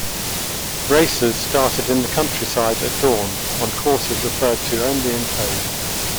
Races started in the countryside at dawn on courses referred to only in code.